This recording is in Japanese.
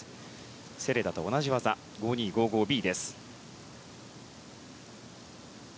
セレダと同じ技５２５５Ｂ。